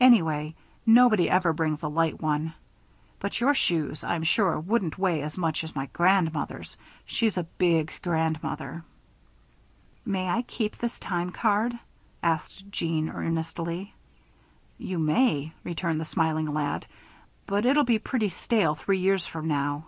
Anyway, nobody ever brings a light one. But your shoes, I'm sure, wouldn't weigh as much as my grandmother's she's a big grandmother." "May I keep this time card?" asked Jeanne, earnestly. "You may," returned the smiling lad, "but it'll be pretty stale three years from now."